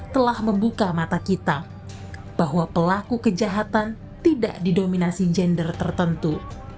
telah membuka mata kita bahwa pelaku kejahatan tidak didominasi gender tertentu